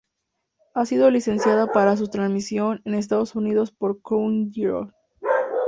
Ha sido licenciada para su transmisión en Estados Unidos por Crunchyroll.